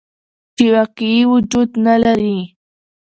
چې واقعي وجود نه لري.